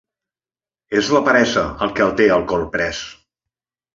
És la peresa, el que el té corprès!